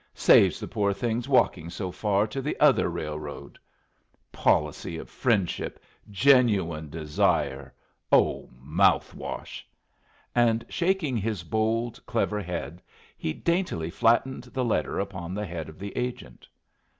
Saves the poor things walking so far to the other railroad 'Policy of friendship... genuine desire' oh mouth wash!" And, shaking his bold, clever head, he daintily flattened the letter upon the head of the agent.